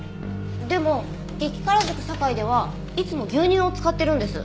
でも激辛塾さかいではいつも牛乳を使ってるんです。